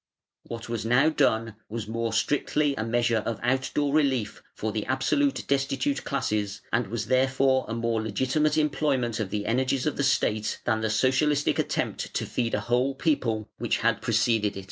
What was now done was more strictly a measure of "out door relief" for the absolutely destitute classes, and was therefore a more legitimate employment of the energies of the State than the socialistic attempt to feed a whole people, which had preceded it.